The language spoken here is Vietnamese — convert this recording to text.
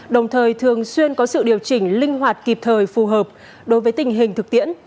đồng thời thường xuyên có sự điều chỉnh linh hoạt kịp thời phù hợp đối với tình hình thực tiễn